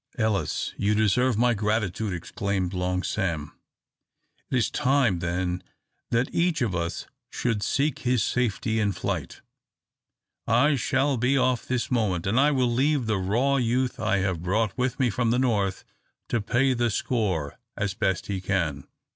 "Ellis, you deserve my gratitude!" exclaimed Long Sam. "It is time then that each of us should seek his safety in flight. I shall be off this moment; and I will leave the raw youth I have brought with me from the north to pay the score as best he can.